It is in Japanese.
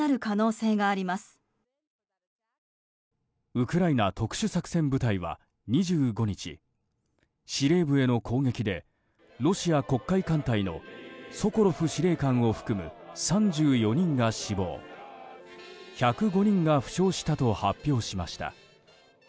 ウクライナ特殊作戦部隊は２５日司令部への攻撃でロシア黒海艦隊のソコロフ司令官を含む３４人が死亡１０５人が負傷したと発表しました。